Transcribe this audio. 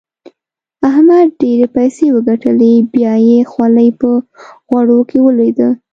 احمد ډېرې پيسې وګټلې؛ بيا يې خولۍ په غوړو کې ولوېده.